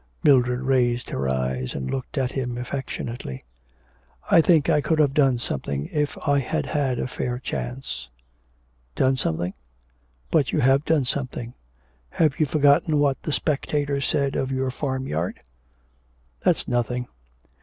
Mildred raised her eyes and looked at him affectionately. 'I think I could have done something if I had had a fair chance.' 'Done something? But you have done something. Have you forgotten what the Spectator said of your farmyard?' 'That's nothing.